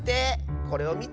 これをみて。